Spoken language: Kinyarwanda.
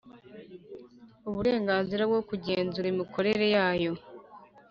uburenganzira bwo kugenzura imikorere yayo